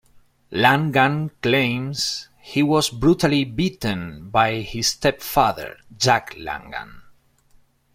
Langan claims he was brutally beaten by his stepfather, Jack Langan.